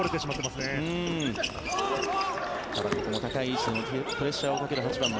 ただ、この高い位置でプレッシャーをかける８番の轟。